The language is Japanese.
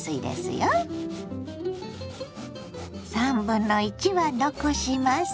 ３分の１は残します。